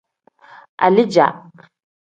Alija.